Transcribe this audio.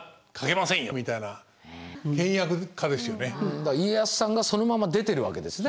だから家康さんがそのまま出てるわけですね。